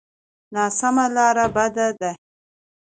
ناسمه لاره بده ده.